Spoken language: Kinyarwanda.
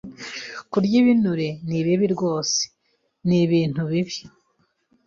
kurya ibinure ni bibi ..rwose ni.. ibintu bibi.